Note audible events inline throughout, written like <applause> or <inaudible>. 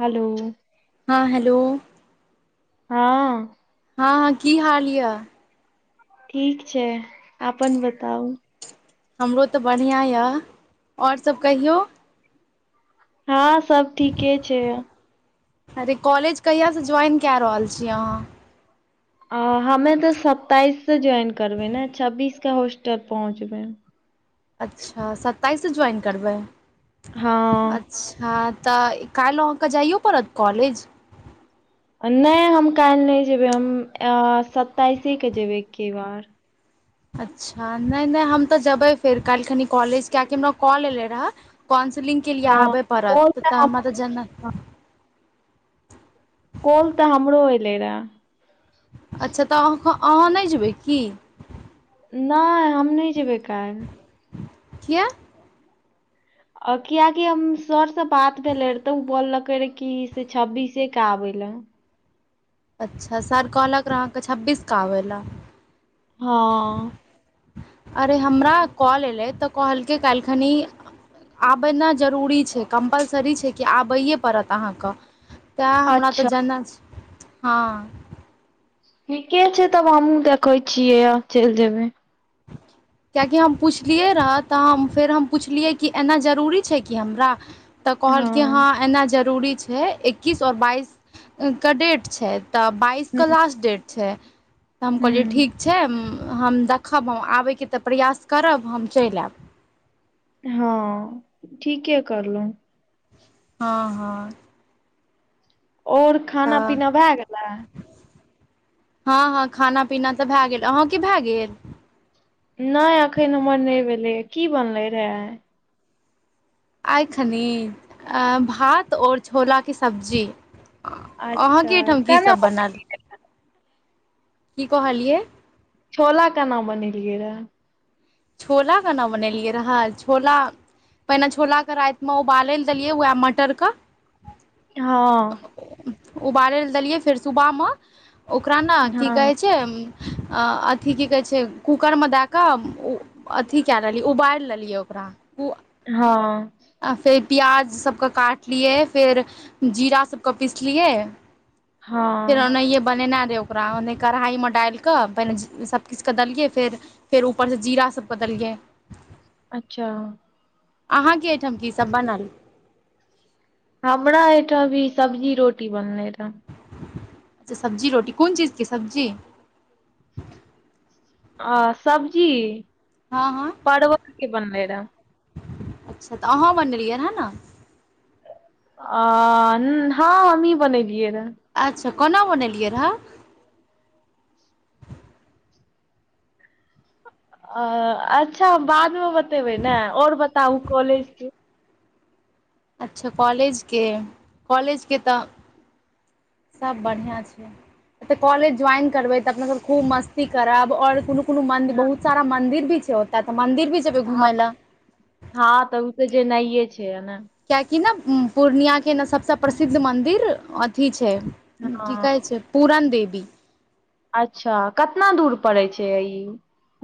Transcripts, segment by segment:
हलो हँ हेलो हँ हँ-हँ की हाल यऽ। ठीक छै आपन बताउ। हमरो तऽ बढ़ियां यऽ, आओर सभ कहियौ हँं सब ठीके छै। अरे कॉलेज कहियासँ ज्वाइन कए रहल छी अहाँ अ हमे त सत्ताइस से ज्वाइन करबै ने, छब्बीस के होस्टल पहुँचबै। अच्छा सत्ताइस स ज्वाइन करबै, हँ अच्छा तऽ ए काल्हि अहाँके जाइय पड़त कॉलेज। नहि हम काल्हि नहि जेबै, हम अं सत्ताइसे के जेबै एक्के बार। अच्छा नहि-नहि हम त जबै फेर काल्हि खनि कॉलेज, कियाकि हमरा कॉल एलै रहए। काउन्सिलिंग के लिए हँ आबय कॉल पड़त, त तैं हमरा हम तऽ जेना कोल तऽ हमरो एलै रैं। अच्छा तऽ अहा-अहाँ नहि जेबै की? नहि हम नहि जेबै काल्हि। किया औ कियाकि हम सर स बात भेलै रे, तऽ ओ बोललकै रहए कि से छब्बीसे के आबै लए। अच्छा सर कहलक रहऽ अहाँ क छब्बीसके आबैला। हँ। अरे हमरा कॉल एलै, तऽ कहलकै काल्हि खनि आबै ना जरूरी छै, कम्पलसरी छै कि आबैए पड़त अहाँ क। तैं हमरा तऽ अच्छा जेना छै, हँ ठीके छै, तब हमहुँ देखय छियै आ चलि जेबै। किएकि हम पुछलियै रहऽ, तऽ हम फेर हम पुछलियै कि एना जरूरी छै कि हमरा तऽ कहलकय हँ एना जरूरी छै, इक्किस आओर बाइस क डेट छै। तऽ बाइस ह के लास्ट डेट छै, त हम ह कहलियै ठीक छै हम दख खब हम, आबैके तऽ प्रयास करब हम चलि ऐब। हँ ठीके करलहुं। हँ-हँ और खाना तऽ पीना भए गेलै। हँ-हँ खाना पीना तऽ भैं गेल, अहां के भैं गेल। नहि एखन हमर नहि भेलैए, की बनलै रैं आय। आय खनि ऐं भात आओर छोलाके सब्जी। अहाँके अच्छा एहिठाम की केना सब बनल। बनेलियै की कहलियै। छोला केना बनेलियै रहें। छोला केना बनेलियै रहय, छोला पहिने छोलाके रातिमे ओ उबालै लए देलियै, उएह मटर क हँ उबालै लै दलियै फेर सुबह म ओकरा की हँ कहै छ य म् अँ अथी की कहै छै कूकरमे दए कऽ उ अथी के रहलिय, उबालि लेलिय ओकरा उ हँ आ फेर प्याज सबके काटलिय, फेर जीरा सबके पीसलिय एक दिन हँ ओनाहिये बनेना रहय ओ ओकरा ओने कढ़ाई मे डालिकऽ, पहिने सबकिछुके देलियै फेर फेर ऊपर स जीरा सब के दलिय। अच्छा आहाँ के ओइठाम की सब बनल हमरा एहिठाम भी सब्जी रोटी बनलै रहऽ। अच्छा सब्जी रोटी, कौन चीज के सब्जी। आ सब्जी हँ हँ परवल के बनलै रहऽ अच्छा, तऽ अहाँ बनेलिय रहे न। अऽ हुं ह हमी बनेलिय रहै। अच्छा कोना बनेलियै रहऽ अ अच्छा बाद मे बतेबै ने और बताउ कॉलेज के। अच्छा कॉलेजके कॉलेजके तऽ सब बढ़िआँ छै। कॉलेज ज्वाइन करबै तऽ, अपना सब खूब मस्ती करब और कुनो कोनो मंदि हँ बहुत सारा मंदिर भी छैय ओत मन्दिर भी छै। हंं- हँ त उत तऽ जेनाये छय न। कियाकि ने पूर्णियाके ने सभसँ प्रसिद्ध मन्दिर अथी छै की हँ कहै छै, पुरण देवी। अच्छा, केतना दूर परय छै ई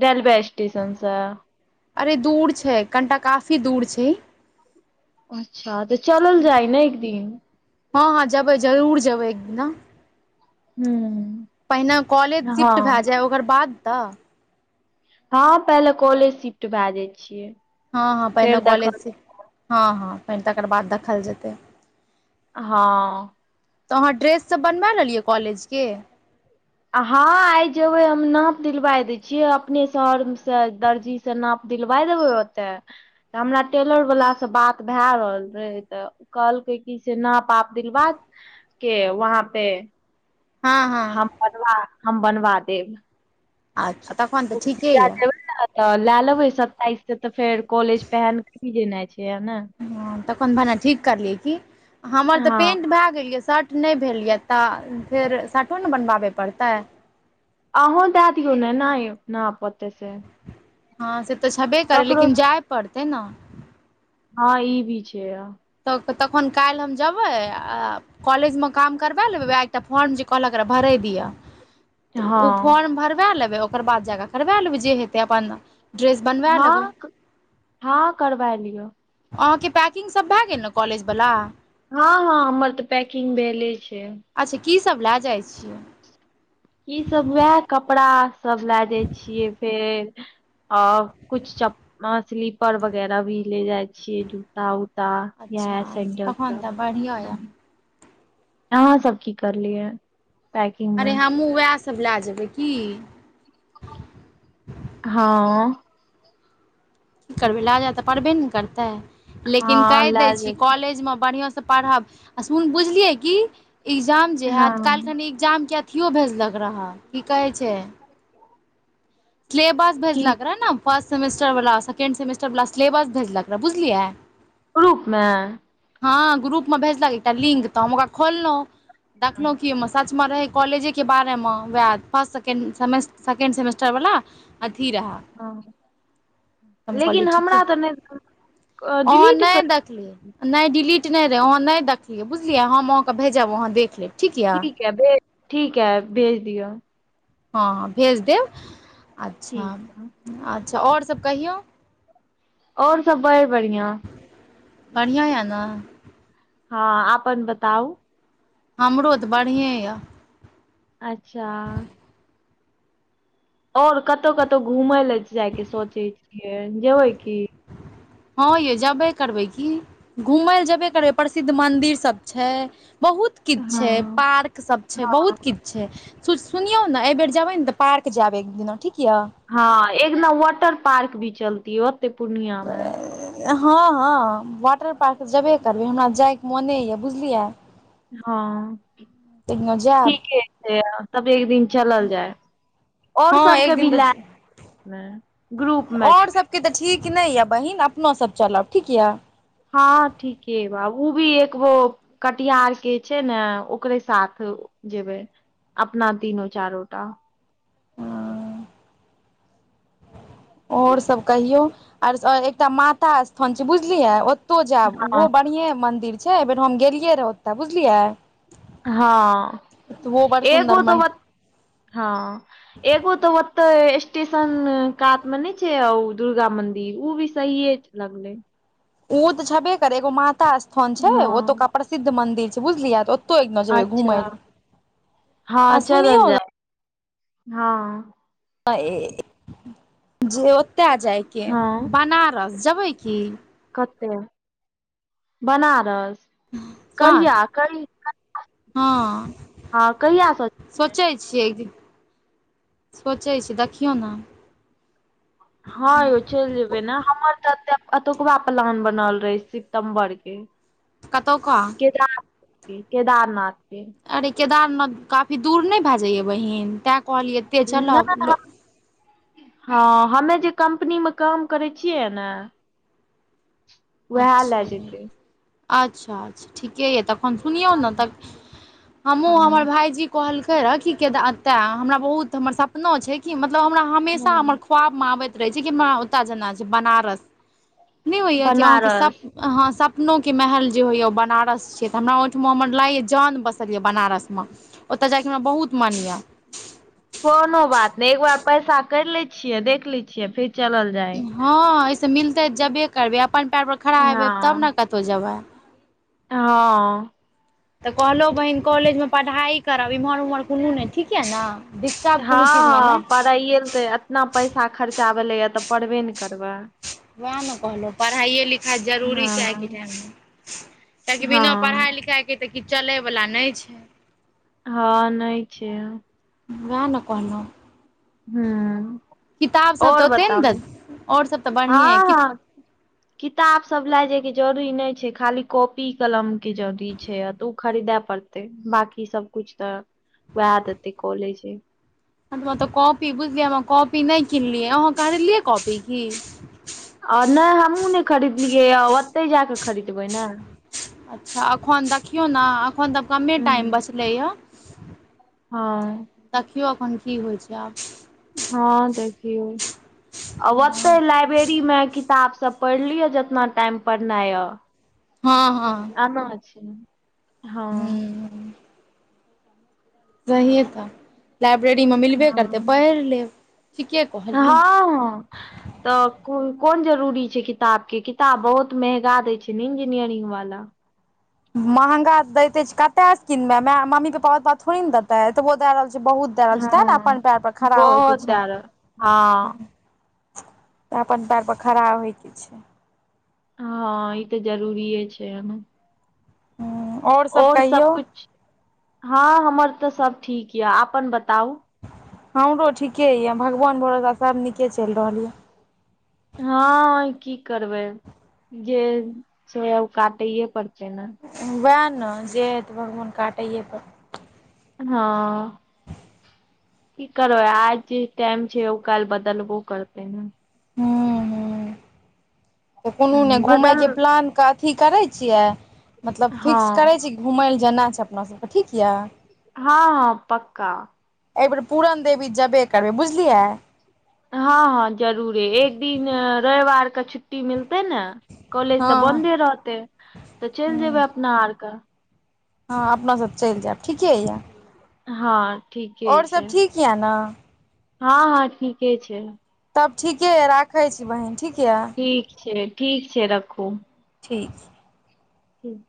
रेलवे स्टेशनसँ अरे दूर छै, कनिटा काफी दूर छै। अच्छा तऽ, चलल जाइ ने एकदिन। हँ -हँ जेबै जरूर जेबै एक दिना। हूँ पहिने कॉलेज शिफ्ट भे हँ जाय, ओकर बाद तऽ हँ पहिले कॉलेज शिफ्ट भै जाइ छिय। हँ- हँ पहिने कॉलेजसँ हँ- हँ पहि तकर बाद देखल जेतै। हँऽ तऽ अहाँ ड्रेससभ बनबा लेलियै कॉलेजके हऽ आइ जेबे हम नाप दिलबाय देय छिय, अपने शहर स दर्जी स नाप दिलबाय देबे ओत हमरा टेलर बाला से बात भए रहल रहे तऽ। कहलकै की से नाप आप दिलबा के वहाँ पे हँ हँ हम बनबा, हम बनबा देब अच्छा तखन तऽ ठीके जहिया ये जेबै ने तऽ ले लेबै सताइस से तऽ फेर कॉलेज पहिन के भी जेनाइ छै न। ह तखन भने ठीक करलियै की, हमर तऽ हँ पेंट भए गेल ये शर्ट नहि भेल ये, तऽ फेर शर्टो ने बनबाबै पड़तै। अहूँ दे दियौ ने नय नाप ओतय स। हँ से तऽ छबे करै, लेकिन जाय पड़तै न। हँ ई भी छै। तऽ तखन काल्हि हम जेबै आ कॉलेजमे काम करबा लेबै, वैह एकटा फॉर्म जे कहलक रहे भरय दिये। उ हँ फॉर्म भरबा लेबै, ओकर बाद जा कऽ करबा लेबै, जे हेतै अपन ड्रेस बनबा लेबै हँ - हँ करबा लिय। अहाँके पैकिंग सभ भए गेल ने कॉलेजवला। हँ हँ हमर तऽ पैकिंग भेले छै। अच्छा की सब लए जाइ छियै। ई सब वैह कपड़ा सब लए जाय छियै फेर आ कुछ च स्लीपर वगैरह भी ले जाय छियै ज जुता उता यैह अच्छा सैंडल तखन तऽ सब बढ़िआँ यए अहां सब की करलियै ये। अरे हमहूँ वैह सभ लए जेबै की। हँ। की करबै लागऽ तऽ पड़बे ने करतै, लेकिन हँ कहि दै लए छी जेतौ कॉलेजमे बढ़िआँ से पढ़ब आ सुन बुझलियै कि एग्जाम जे हैत कैल हँ कनी जामके अथियो भेजलक रहऽ, की कहै छै सिलेबस की भेजलक रहे ने, फर्स्ट सेमेस्टर वला, सेकेंड सेमेस्टर वला, सिलेबस भेजलक रहे, बुझलियै। ग्रुप मे? हँ ग्रुप में भेजलक एकटा लिंक तऽ हम ओकरा खोललहुं देखलहुं की सचमे रहै कॉलेजेके बारेमे वैह फर्स्ट सेकेण्ड, सेकेण्ड सेमेस्टर वला अथी रहे हँ लेकिन ठीके हमरा तऽ नहि, अहाँ डिलीट नहि कर नहि डिलीट नहि रहै अहाँ नहि देखलियै बुझलियै, हम अहाँके भेजब अहाँ देख लेब ठीक ये। भेज, ठीक ये, भेज दियऽ। हँ भेज देब, अच्छा, ठीक है अच्छा आओर सब कहियौ। आओर सब बड़ बढ़िआँ। बढ़िआँ ये ने हँ अपन बताउ हमरो तऽ बढ़िएँ ये। अच्छा। और कतहु कतहु घूमय ले जाय के सोचै छियै, जेबै की हँ यै जेबे करबै की घुमय ले जेबे करबै, प्रसिद्ध मन्दिर सब छै बहुत किछु हँ छै, पार्क सब छै, बहुत किछु छै, सुनियौ ने एहिबेर जायब ने तऽ पार्क जायब एक दिना ठीक ये। हँ एक दिना वाटर पार्क भी चलती ओ पूर्णिया मे आ <unintelligible> हँ हँ वाटर पार्क जेबे करबै, हमरा जाइके मोने ये, बुझलियै। हँ तहिना जायब ठीके छै तब एक दिन चलल जाय और हँ सबके एक भी दिन तऽ लए, ग्रुप मे जेबै ओ के तऽ ठीक नहि ये बहिन, अपना सब चलब, ठीक ये। हँ ठीके बा ओ भी एक वो कटिहार के छै ने ओकरे साथ जेबै अपना तीनो चारोटा हुं। आओर सभ कहियौ। आर एकटा माता स्थान छै बुझलिये ओतौ जायब उहो बढ़िया मंदिर छै एहि बेेर हम गेलियै रहियै ओतऽ बुझलियै। हँ ओहो बड़ सुन्दर एगो त ब मन्दिर हँ एगो त ओतय स्टेशन कात में नैय छैय अओ दुर्गा मंदिर उ भी सहिये लगलय उ तऽ छबे करे एगो माता स्थान छैय हँ ओतोका प्रसिद्ध मंदिर छै। बुझलिय त ओतो एक <unintelligible> जेबय अच्छा घुमय ले हँ आ सुनियो चलल ने जाय हँ। <unintelligible> ओता जायके हँ बनारस जेबैय की कते बनारस स्वान कहिया कइ <inaudible> आ कहिया स सोचैय छियै एकदिन सोचैय छि देखियौ ने हँ यौ चलि जेबैय ने <inaudible> एतुकबा प्लान बनल रहैय सितम्बर के ह कतौका <inaudible> केदारनाथ के अरे केदारनाथ काफी दूर नैय भए जाइये बहिन तैँ कहलियै एते चलब लो <inaudible> हँ हमे जे कम्पनी में काम करैय छियै ने उएह अच्छा लए जेतै अच्छा अच्छा ठीके य तब सुनियौ ने तब--हमूँ हँ हमर भायजी कहलकै रहय की केदार तेऽ हमरा बहुत हमर सपना छैय कि मतलब हमरा हमेशा हमर हँ ख्वाब में आबैत रहै छै कि हमरा ओत जेना छै बनारस नैय होइये कि <unintelligible> बनारस हँ सपनो के महल जे होइए ओ बनारस छै तऽ हमरा ओहिठमा हमर लागैए जान बसल यऽ बनारस ओत जायके हमरा बहुत मन यऽ कोनो बात नैय एकबार पैसा करि लैय छियै देख लैय छियै फेर चलल जाय हँ अहिसँ मिलतै जेबे करबै अपन पैर पर खड़ा हेबै तब हँ न कतहु जेबै हँ। तऽ कहलौ बहिन कॉलेज में पढ़ाई करब एम्हर ओम्हर कोनो नहि ठीके न हँ पढ़ैएल तऽ एतना पैसा खर्चा भेलैए तऽ पढ़बे ने करबैय। उएह ने कहलहुँ पढ़ाइए लिखाइ जरूरी छै आइके हँ टाइम में। कियकि बिना पढ़ाइ हँ लिखाइ के तऽ किछ चलय वला नैय छै। हँ नैय छैय वएह ने कहलहुँ हूँ किताब सब तऽ और ओतेन दे बताबू और सब हँ हँ किताब सब लय जाय के जरूरी नहि छै खाली कॉपी कलम के जरुरी छै य तऽ उ खरीदेए पड़ तै बाकी सबकुछ तऽ वएह देतैय कॉलेजे हमरा तऽ कॉपी बुझलियै हम कॉपी नैय किनलियै अहाँ कहलियै कॉपी की आ नाहि हमूँ नैय खरीदलियै ओतहि जा कऽ खरीदबै ने अच्छा अखन देखियो न हँ त कमे टाइम हूँ बचलै य हँ देखियौ अखन की होइ छैय आब हँ देखियौ आ ओते लाइब्रेरी में किताब सब पढ़ि लिअ जेतना टाइम पढ़नाय यऽ हां-हां। अना छै, हां। हूँ सहिए तै लाइब्रेरीमे मिलबे करतै हँ पैढ़ लेब ठीके कहलियै। ह तब कु कोन जरूरी छै किताब के किताब बहुत महेगा दै छै ने इंजीनियरिंग बाला। महंगा तै दैते छै कते किनबै माए मम्मी पप्पा ओतबा थोड़ी नै देते, एतबो दै रहल छै बहुत दै रहल छै तै ने हँ अपन पैर पर खड़ा होय के बहुत छै। दए रहल हँ तै अपन पैर पर खड़ा होय के छै। हां ई तै जरूरीेए छै ओना। आओर और सब कहियौ कुछ हां हम्मर तै सब ठीक यै अपन बताउ? हमरो ठीके यै, भगवान भरोसा सब नीके चैल रहल यै। हां की करबै जे छै ओ काटएयै पड़तै नै। वैह नै जे हेते भगवान काटएयै पड़ हां। की करबै आय जे टाइम छै ओ काएल बदलबो करतै। हूं-हूं। त कुनू नै ह घुमै बदल के प्लान के अथी करै छियै मतलब हँ फिक्स करै छी घुमय लै जेनाय छै अपना सबके ठीक यै? हां-हां पक्का। ए बेर पूरण देवी जेबै करबै बुझलियै। हां-हां जरूरे एक दिन रैव आर के छुट्टी मिलतै नै कॉलेज हँ तऽ हँ बंन्दे रहतै तऽ चैल जेबै अपना आरके। हां अपना सब चैल जाएब ठीके यै। हां ठीके छै, ठीक यए ने हां-हां ठीके छै। तब ठीके यै राखै छी बहिन ठीक यै। ठीक छै। ठीक छै रखू। ठीक छै। ठीक